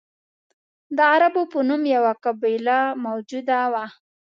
د عربو په نوم یوه قبیله موجوده وه.